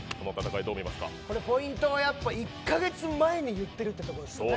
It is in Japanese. ポイントは１カ月前に言っているということですね。